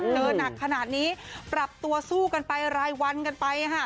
หนักขนาดนี้ปรับตัวสู้กันไปรายวันกันไปค่ะ